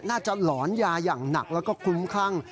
หลอนยาอย่างหนักแล้วก็คลุ้มคลั่ง